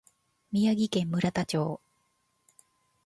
宮城県村田町